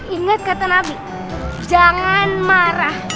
ingat kata nabi jangan marah